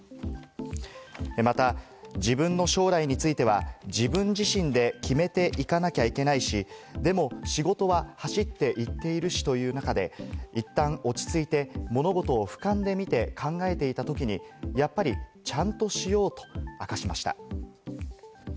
また自分の将来については、自分自身で決めていかなきゃいけないし、でも仕事は走っていっているしという中で、いったん落ち着いて物事を俯瞰で見て考えていたときに、やっぱりちゃんとしようと明かしました。